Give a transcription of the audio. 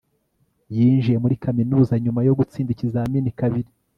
yinjiye muri kaminuza nyuma yo gutsinda ikizamini kabiri